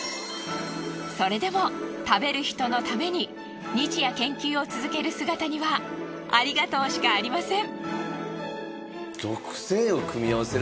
それでも食べる人のために日夜研究を続ける姿にはありがとうしかありません。